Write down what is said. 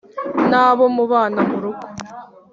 n‘abo mubana mu rugo.